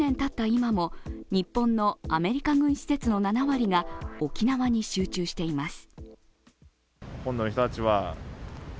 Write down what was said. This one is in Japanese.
今も日本のアメリカ軍施設の７割が沖縄に集中しています。